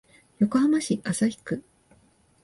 横浜市旭区